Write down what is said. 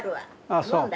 あっそう。